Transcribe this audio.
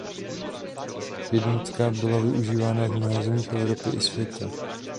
Jednotka byla užívána v mnoha zemích Evropy i světa.